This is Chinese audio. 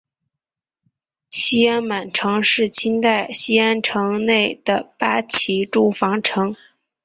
西安满城是清代西安城内的八旗驻防城。